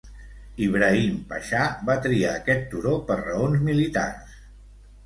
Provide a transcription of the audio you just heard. Ibrahim Pasha va triar aquest turó per raons militars.